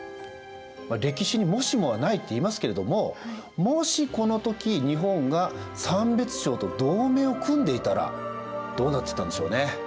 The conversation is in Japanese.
歴史にもしもはないって言いますけれどももしこの時日本が三別抄と同盟を組んでいたらどうなってたんでしょうね。